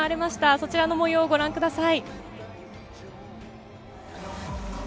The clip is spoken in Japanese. そちらの模様をご覧ください。